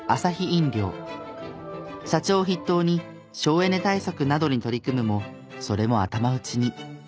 社長を筆頭に省エネ対策などに取り組むもそれも頭打ちに。